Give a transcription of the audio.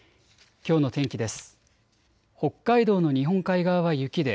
きょうの天気です。